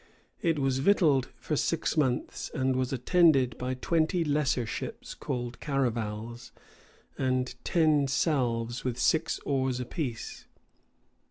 It was victualled for six months; and was attended by twenty lesser ships, called caravals, and ten salves with six oars apiece.